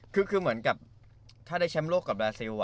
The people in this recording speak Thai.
คือเหมือนกับถ้าได้แชมป์โลกกับบราซิล